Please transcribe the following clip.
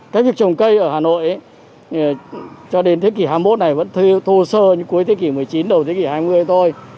thế việc trồng cây ở hà nội cho đến thế kỷ hai mươi một này vẫn thô sơ như cuối thế kỷ một mươi chín đầu thế kỷ hai mươi thôi